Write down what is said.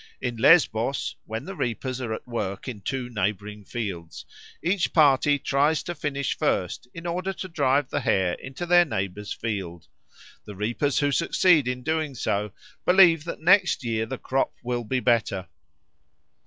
In Lesbos, when the reapers are at work in two neighbouring fields, each party tries to finish first in order to drive the Hare into their neighbour's field; the reapers who succeed in doing so believe that next year the crop will be better.